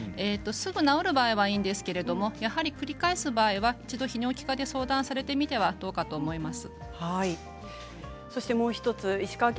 すぐ治る場合もあるんですけれどもやはり繰り返す場合は一度、泌尿器科で相談されてみてはどうかと思います。